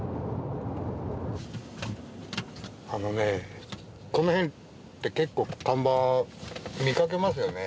あのねこの辺って結構看板見掛けますよね。